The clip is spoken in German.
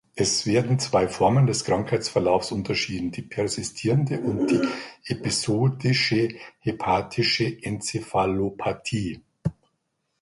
Es werden zwei Formen des Krankheitsverlaufs unterschieden, die persistierende und die episodische hepatische Enzephalopathie.